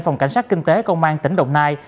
phòng cảnh sát kinh tế công an tỉnh đồng nai